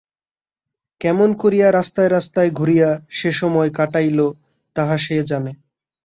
কেমন করিয়া রাস্তায় রাস্তায় ঘুরিয়া সে সময় কাটাইল তাহা সেই জানে।